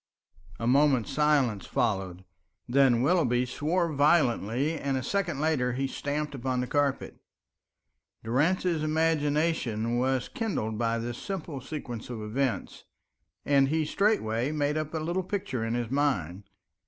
A moment's silence followed, then Willoughby swore violently, and a second later he stamped upon the carpet. Durrance's imagination was kindled by this simple sequence of events, and he straightway made up a little picture in his mind.